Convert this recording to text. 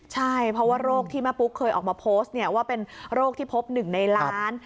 ใช่เพราะว่าโรคที่แม่ปุ๊กเคยออกมาโพสต์ว่าเป็นโรคที่พบ๑ในล้าน